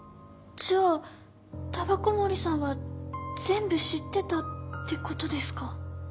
じゃあ煙草森さんは全部知ってたってことですか？